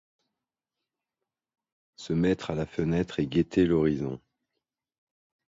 Se mettre à la fenêtre et guetter l'horizon